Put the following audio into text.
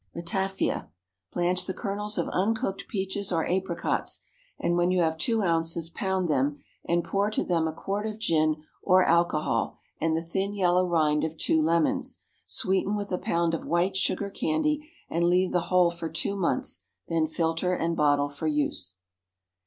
Ratafia. Blanch the kernels of uncooked peaches or apricots, and when you have two ounces pound them, and pour to them a quart of gin or alcohol and the thin yellow rind of two lemons. Sweeten with a pound of white sugar candy, and leave the whole for two months; then filter and bottle for use.